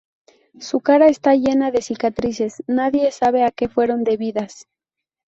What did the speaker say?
Su cara está llena de cicatrices, nadie sabe a que fueron debidas.